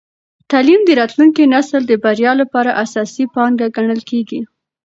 تعلیم د راتلونکي نسل د بریا لپاره اساسي پانګه ګڼل کېږي.